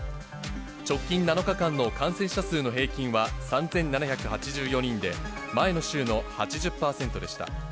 直近７日間の感染者数の平均は３７８４人で、前の週の８０％でした。